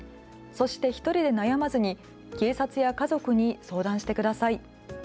そして１人で悩まずに警察や家族に相談してください。